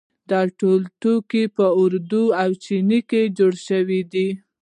دا ټول توکي په اردن او چین کې جوړ شوي دي.